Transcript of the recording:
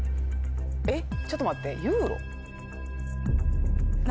えっちょっと待ってユーロ？